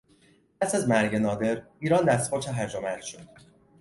پس از مرگ نادر، ایران دستخوش هرج و مرج شد.